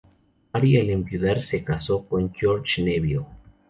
Mary al enviudar se casó con Jorge Neville.